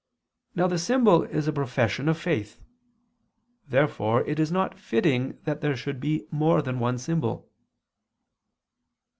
Now the symbol is a profession of faith. Therefore it is not fitting that there should be more than one symbol.